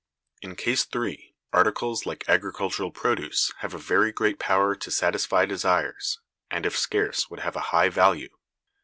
In case (3) articles like agricultural produce have a very great power to satisfy desires, and if scarce would have a high value.